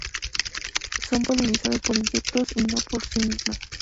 Son polinizadas por insectos y no por sí mismas.